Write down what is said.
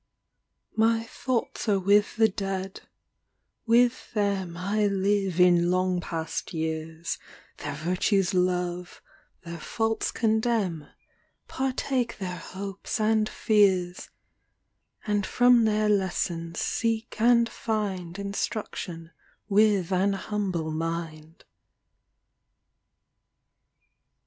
My thoughts are with the Dead, with them I live in long past years, Their virtues love, their faults condemn, Partake their hopes and fears, And from their lessons seek and find Instruction with ^n humble mind.